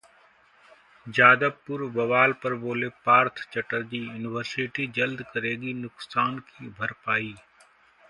जादवपुर बवाल पर बोले पार्थ चटर्जी- यूनिवर्सिटी जल्द करेगी नुकसान की भरपाई